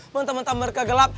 mantap mantap mereka gelap